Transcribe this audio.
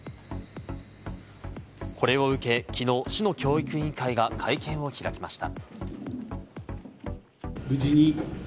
これを受け、きのう、市の教育委員会が会見を開きました。